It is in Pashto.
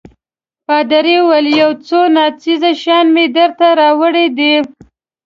پادري وویل: یو څو ناڅېزه شیان مې درته راوړي دي.